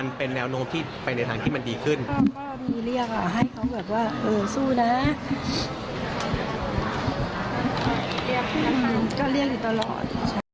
ก็เรียกอยู่ตลอด